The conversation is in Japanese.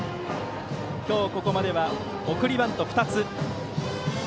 今日、ここまでは送りバント２つ。